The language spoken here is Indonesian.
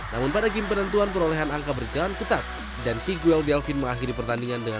namun pada game penentuan perolehan angka berjalan ketat dan chiguel delvin mengakhiri pertandingan dengan dua puluh satu delapan belas